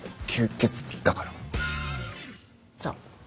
そう。